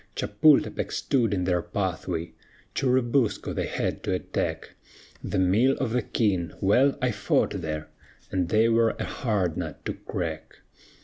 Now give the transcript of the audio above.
Chapultepec stood in their pathway; Churubusco they had to attack; The mill of the King well, I fought there, And they were a hard nut to crack.